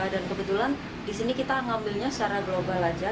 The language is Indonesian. dan kebetulan di sini kita mengambilnya secara global saja